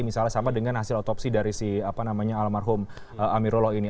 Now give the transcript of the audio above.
misalnya sama dengan hasil otopsi dari si apa namanya almarhum amirullah ini